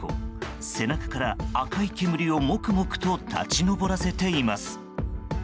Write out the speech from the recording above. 背中から赤い煙をモクモクと立ち上らせています。